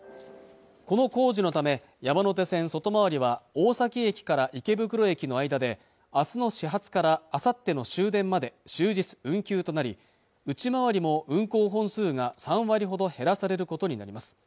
この工事のため山手線外回りは大崎駅から池袋駅の間であすの始発からあさっての終電まで終日運休となり内回りも運行本数が３割ほど減らされることになります